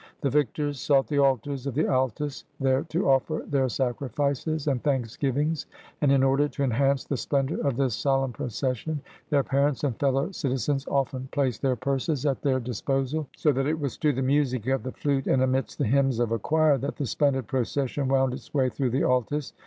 The victors sought the altars of the Altis, there to offer their sacri fices and thanksgivings, and in order to enhance the splendor of this solemn procession their parents and fellow citizens often placed their purses at their dis 71 GREECE posal, so that it was to the music of the flute and amidst the hymns of a choir that the splendid procession wound its way through the Altis.